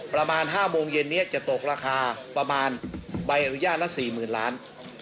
ประมาณ๕โมงเย็นนี้จะตกราคาประมาณใบอนุญาตละ๔๐๐๐ล้าน